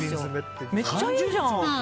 めっちゃいいじゃん。